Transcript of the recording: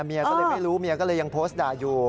เมียก็เลยไม่รู้เมียก็เลยยังโพสต์ด่าอยู่